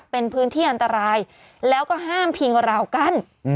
เป็นพื้นที่อันตรายแล้วก็ห้ามพิงราวกั้น